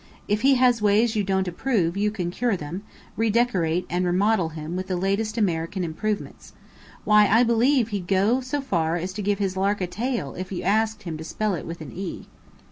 If he has ways you don't approve, you can cure them; redecorate and remodel him with the latest American improvements. Why, I believe he'd go so far as to give his Lark a tail if you asked him to spell it with an 'e'."